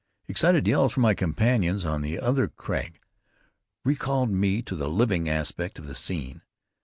Excited yells from my companions on the other crag recalled me to the living aspect of the scene.